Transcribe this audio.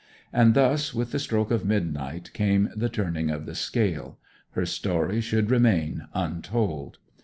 And thus with the stroke of midnight came the turning of the scale; her story should remain untold.